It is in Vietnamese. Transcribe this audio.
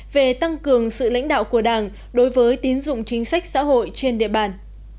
về tăng cường sự lãnh đạo của đảng đối với tín dụng chính sách xã hội trên địa bàn